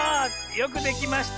よくできました。